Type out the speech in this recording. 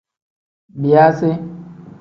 Biyaasi.